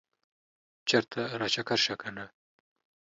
چرته راچکر شه کنه